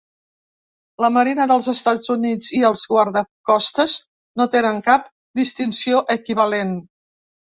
La Marina dels Estats Units i els Guardacostes no tenen cap distinció equivalent.